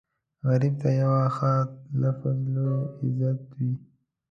غریب ته یو ښه لفظ لوی عزت وي